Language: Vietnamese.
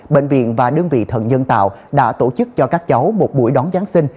bệnh viện và đơn vị thận nhân tạo đã tổ chức cho các cháu một buổi đón giáng sinh